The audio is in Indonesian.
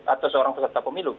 atau seorang peserta pemilu